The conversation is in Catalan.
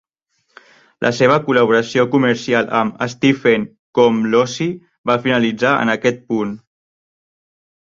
La seva col·laboració comercial amb Stephen Komlosy va finalitzar en aquest punt.